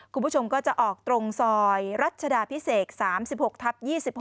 คุณผู้ชมก็จะออกตรงซอยรัชดาพิเศษ๓๖ทับ๒๖